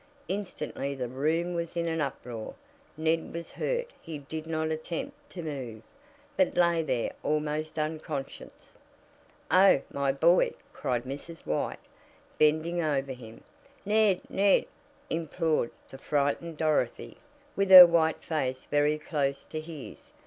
Instantly the room was in an uproar. Ned was hurt he did not attempt to move, but lay there almost unconscious. "Oh, my boy!" cried Mrs. White, bending over him. "Ned! Ned!" implored the frightened Dorothy, with her white face very close to his.